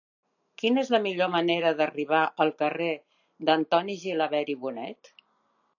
Quina és la millor manera d'arribar al carrer d'Antoni Gilabert i Bonet?